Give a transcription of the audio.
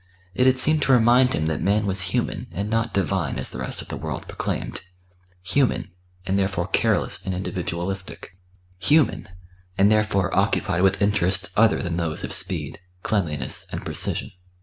It had seemed to remind him that man was human, and not divine as the rest of the world proclaimed human, and therefore careless and individualistic; human, and therefore occupied with interests other than those of speed, cleanliness, and precision.